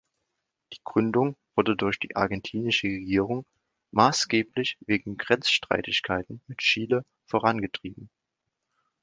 Die Gründung wurde durch die argentinische Regierung maßgeblich wegen Grenzstreitigkeiten mit Chile vorangetrieben.